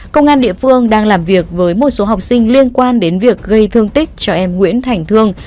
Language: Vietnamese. công an địa phương đang làm việc với một số học sinh liên quan đến việc gây thương tích cho em nguyễn thành thương